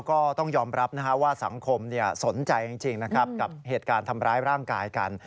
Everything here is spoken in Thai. ก็ต้องยอมรับว่าสังคมสนใจจริงนะครับกับเหตุการณ์ทำร้ายร่างกายกัน